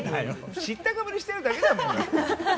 知ったかぶりしてるだけでしょ。